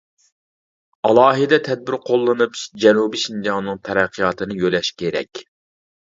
ئالاھىدە تەدبىر قوللىنىپ جەنۇبىي شىنجاڭنىڭ تەرەققىياتىنى يۆلەش كېرەك.